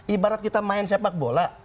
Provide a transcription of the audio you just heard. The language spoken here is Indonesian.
ibarat kita main sepak bola